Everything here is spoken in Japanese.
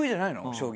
将棋。